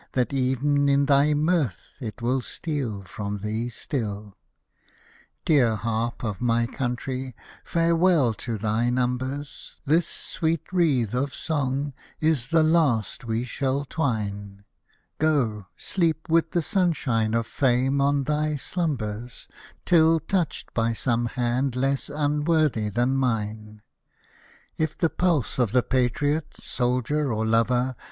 That ev'n in thy mirth it will steal from thee still. Dear Harp of my Country ; farewell to thy numbers, This sweet wreath of song is the last we shall twine I Hosted by Google 46 IRISH MELODIES Go, sleep with the sunshine of Fame on thy slumbers, Till touched by some hand less unworthy than mine ; If the pulse of the patriot, soldier, or lover.